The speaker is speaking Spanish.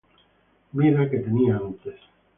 vida que tenías antes